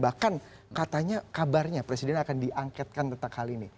bahkan katanya kabarnya presiden akan diangketkan tentang hal ini